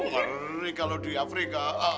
ngeri kalau di afrika